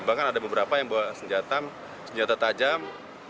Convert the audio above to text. bahkan ada beberapa yang bawa senjata tajam